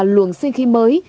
luồng sinh khi mới